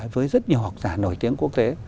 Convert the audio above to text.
với rất nhiều học giả nổi tiếng quốc tế